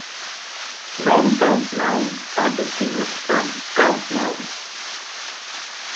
Non-count nouns are distinguished from count nouns.